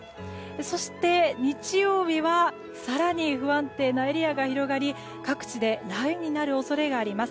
そして、日曜日は更に不安定なエリアが広がり各地で雷雨になる恐れがあります。